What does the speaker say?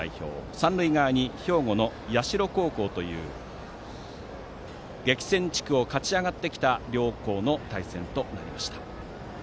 三塁側に兵庫の社高校という激戦地区を勝ち上がってきた両校の対戦となりました。